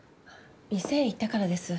店へ行ったからです。